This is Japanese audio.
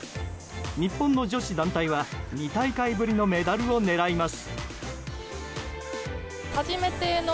日本の女子団体は２大会ぶりのメダルを狙います。